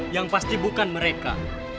yang pasti bukan mereka